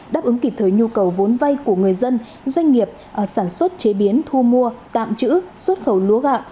đáp ứng kịp thời nhu cầu vốn vay của người dân doanh nghiệp sản xuất chế biến thu mua tạm trữ xuất khẩu lúa gạo